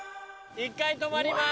１回止まります。